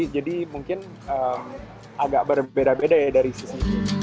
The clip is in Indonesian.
mungkin agak berbeda beda ya dari sisi